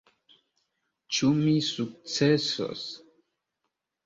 Ĉu mi sukcesos?